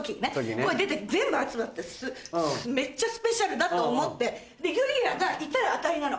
これ全部集まってめっちゃスペシャルだと思ってユリアがいたら当たりなの。